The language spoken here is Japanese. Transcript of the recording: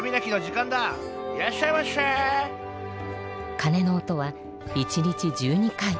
かねの音は１日１２回。